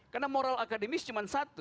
karena moral akademis cuma satu